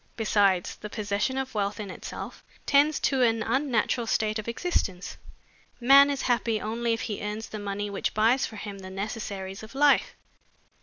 Besides, the possession of wealth in itself tends to an unnatural state of existence. Man is happy only if he earns the money which buys for him the necessaries of life."